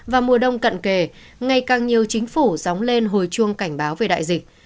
vào mùa đông cận kề ngày càng nhiều chính phủ dóng lên hồi chuông cảnh báo về đại dịch